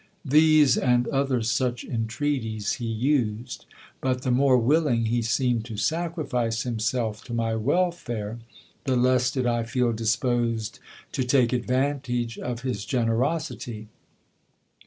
These and other such entreaties he used j but the A DISAGREEABLE INTERRUPTION. more willing he seemed to sacrifice himself to, my welfare, the less did I feel disposed to take advantage of his generosity.